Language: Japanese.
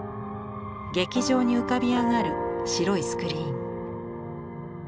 劇場に浮かび上がる白いスクリーン。